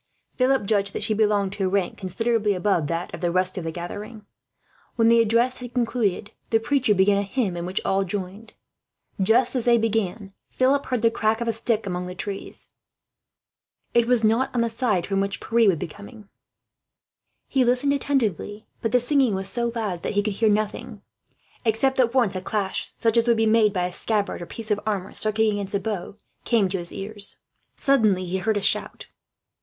Philip judged that she belonged to a rank considerably above that of the rest of the gathering. When the address had concluded, the preacher began a hymn in which all joined. Just as they began, Philip heard the crack of a stick among the trees. It was not on the side from which Pierre would be coming. He listened attentively, but the singing was so loud that he could hear nothing; except that once a clash, such as would be made by a scabbard or piece of armour striking against a bough, came to his ears. Suddenly he heard a shout.